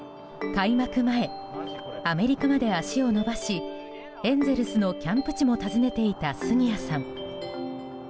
開幕前アメリカまで足を延ばしエンゼルスのキャンプ地も訪ねていた杉谷さん。